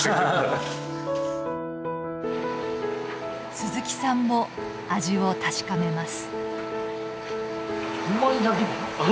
鈴木さんも味を確かめます。